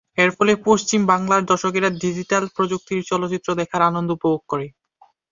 এরফলে পশ্চিম বাংলার দর্শকেরা ডিজিটাল প্রযুক্তিতে চলচ্চিত্র দেখার আনন্দ উপভোগ করে।